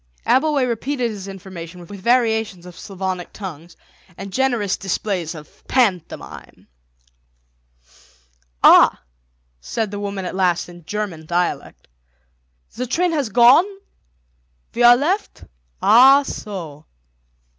Abbleway repeated his information with variations of Slavonic tongues and generous displays of pantomime. "Ah," said the woman at last in German dialect, "the train has gone? We are left. Ah, so."